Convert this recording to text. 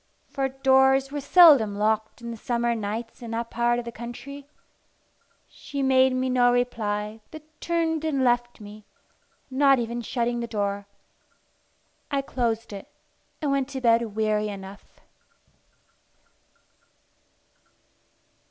For doors were seldom locked in the summer nights in that part of the country. She made me no reply, but turned and left me, not even shutting the door. I closed it, and went to bed weary enough.